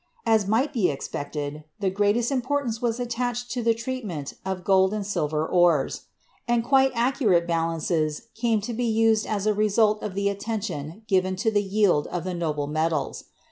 As might be ex pected, the greatest importance was attached to the treat ment of gold and silver ores; and quite accurate balances 52 CHEMISTRY came to be used as a result of the attention given to the yield of the noble metals.